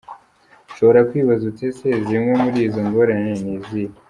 Ushobora kwibaza uti ese zimwe muri izo ngorane ni izihe?.